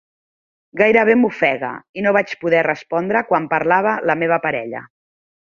Gairebé m'ofega, i no vaig poder respondre quan parlava la meva parella.